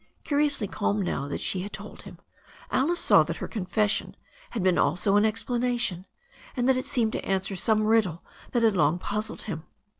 Curiously calm now that she had told him, Alice saw that her confession had been also an explanation, and that it seemed to answer some riddle that had long puzzled him.